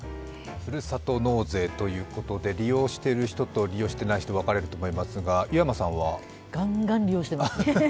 ふるさと納税ということで、利用している人と利用していない人、分かれると思いますが、ガンガン利用してます。